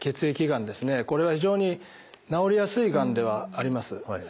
これは非常に治りやすいがんではあります。